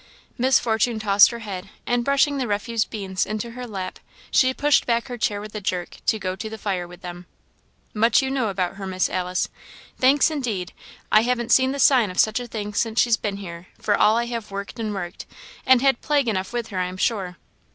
Miss Fortune tossed her head, and brushing the refuse beans into her lap, she pushed back her chair with a jerk, to go to the fire with them. "Much you know about her, Miss Alice! Thanks, indeed! I haven't seen the sign of such a thing since she's been here, for all I have worked and worked, and had plague enough with her, I am sure.